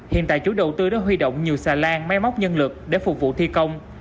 hiện tại chủ đầu tư đã huy động nhiều xà lan máy móc nhân lực để phục vụ thi công